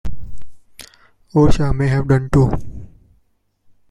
Eorsa may have done too.